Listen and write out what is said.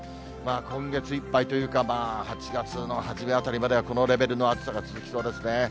今月いっぱいというか、８月の初めあたりまではこのレベルの暑さが続きそうですね。